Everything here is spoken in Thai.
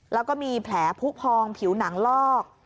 แล้วก็มีแผลผู้พองผิวหนังลอก